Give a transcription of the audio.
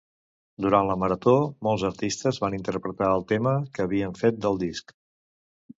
Durant la Marató molts artistes van interpretar el tema que havien fet del disc.